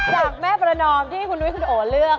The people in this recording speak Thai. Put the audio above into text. จากแม่ประนอบที่คุณวิทย์สุดโอเลือก